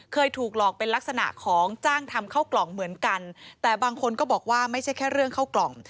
เคยถูกหลอกเป็นลักษณะของจ้างทำเข้ากล่องเหมือนกันแต่บางคนก็บอกว่าไม่ใช่แค่เรื่องเข้ากล่อง